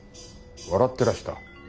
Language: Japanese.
笑ってらした？